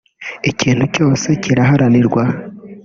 Ikintu cyose kiraharanirwa